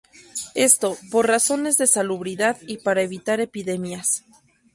Esto por razones de salubridad y para evitar epidemias.